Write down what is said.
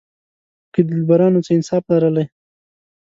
که دلبرانو څه انصاف لرلای.